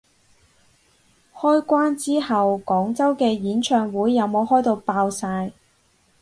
開關之後廣州啲演唱會有冇開到爆晒